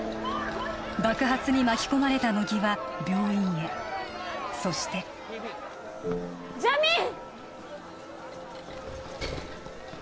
爆発に巻き込まれた乃木は病院へそしてジャミーン！